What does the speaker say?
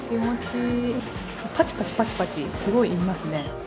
パチパチパチパチ、すごいいいますね。